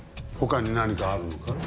他に何かあるのか？